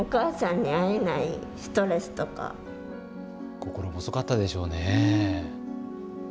心細かったでしょうね。